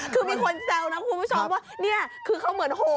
คือมีคนแซวนะคุณผู้ชมว่านี่คือเขาเหมือนโห